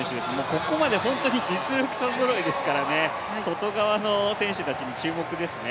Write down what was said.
ここまでホントに実力者ぞろいですから、外側の選手たちに注目ですね。